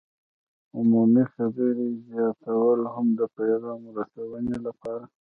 عمومي خبرې زیاتول هم د پیغام رسونې لپاره